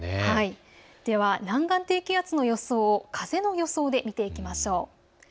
南岸低気圧の予想を風の予想で見ていきましょう。